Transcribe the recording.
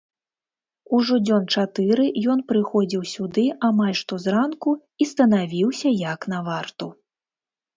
Ужо дзён чатыры ён прыходзіў сюды амаль што зранку і станавіўся як на варту.